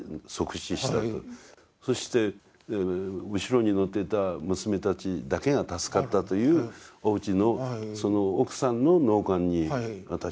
そして後ろに乗ってた娘たちだけが助かったというおうちのその奥さんの納棺に私行ったんですね。